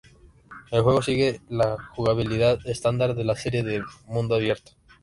El juego sigue la jugabilidad estándar de la serie de mundo abierto.